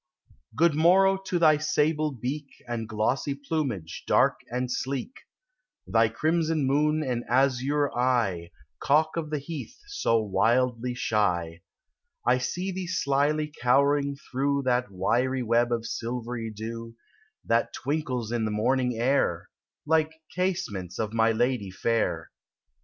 Good morrow to thy sable beak And glossy plumage dark and sleek, Thy crimson moon and azure eye, Cock of the heath, so wildly shy : I see thee slyly cowering through That wiry web of silvery dew, That twinkles in the morning air, Like casements of my lady fair. ANIMATE NATURE.